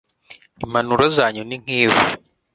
impanuro zanyu ni nk'ivu